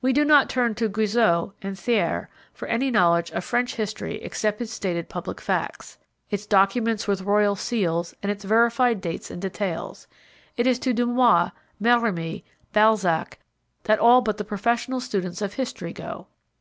We do not turn to Guizot and Thiers for any knowledge of French history except its stated public facts, its documents with royal seals and its verified dates and details it is to Dumas, Merimee, Balzac that all but the professional students of history go.